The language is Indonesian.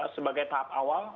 sebagai tahap awal